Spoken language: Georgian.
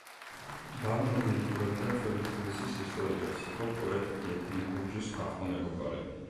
ბარნოვი იკვლევდა ძველი თბილისის ისტორიას, იყო პოეტ იეთიმ გურჯის ახლო მეგობარი.